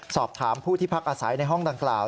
สอบถามผู้ที่พักอาศัยในห้องดังกล่าว